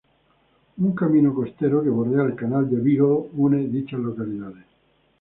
Un camino costero que bordea el canal de Beagle une dichas localidades.